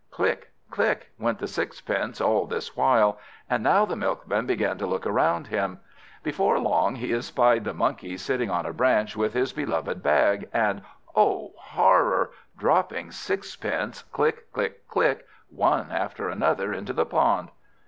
Click! click! went the sixpences all this while; and now the Milkman began to look around him. Before long he espied the Monkey sitting on a branch with his beloved bag, and O horror! dropping sixpences, click! click! click! one after another into the pond.